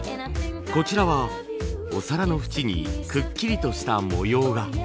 こちらはお皿の縁にくっきりとした模様が。